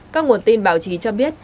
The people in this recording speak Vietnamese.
các nguồn tin báo chí cho biết